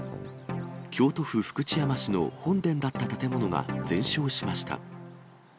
京都府福知山市の本殿だった建物が全焼しました。